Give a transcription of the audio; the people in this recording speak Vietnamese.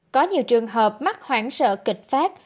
có nhiều trường hợp mắc hoãn sợ kịch phát